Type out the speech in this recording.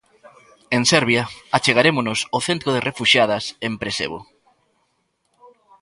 En Serbia achegarémonos o centro de refuxiadas en Presevo.